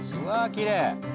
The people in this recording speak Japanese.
きれい！